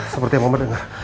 seperti yang mama denger